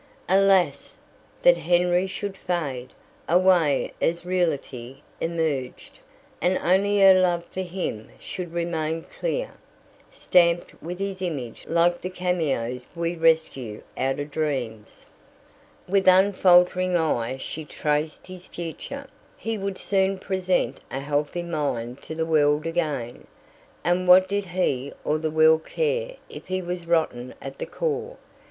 Alas! that Henry should fade, away as reality emerged, and only her love for him should remain clear, stamped with his image like the cameos we rescue out of dreams. With unfaltering eye she traced his future. He would soon present a healthy mind to the world again, and what did he or the world care if he was rotten at the core?